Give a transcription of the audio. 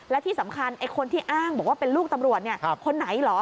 และที่สำคัญไอ้คนที่อ้างบอกว่าเป็นลูกตำรวจคนไหนเหรอ